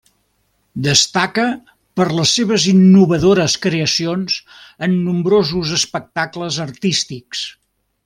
Destaca per les seves innovadores creacions en nombrosos espectacles artístics.